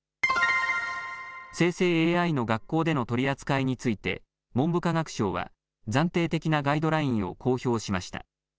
生成ＡＩの学校での取り扱いについて、文部科学省は暫定的なガイドラインを公表しました。